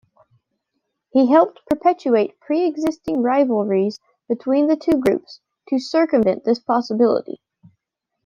He helped perpetuate preexisting rivalries between the two groups to circumvent this possibility.